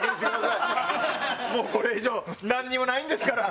もうこれ以上なんにもないんですから。